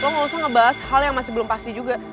lo gak usah ngebahas hal yang masih belum pasti juga